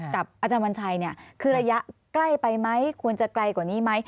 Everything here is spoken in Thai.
กับอาจารย์วัญชัยคือระยะใกล้ไปไหมควรจะไกลกว่านี้ไหม